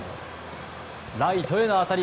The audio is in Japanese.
ライトへの当たり。